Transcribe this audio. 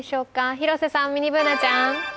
広瀬さん、ミニＢｏｏｎａちゃん。